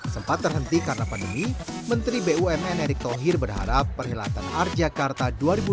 sempat terhenti karena pandemi menteri bumn erick thohir berharap perhelatan art jakarta dua ribu dua puluh